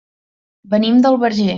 Venim del Verger.